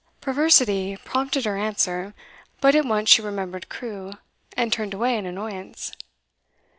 Perversity prompted her answer, but at once she remembered Crewe, and turned away in annoyance.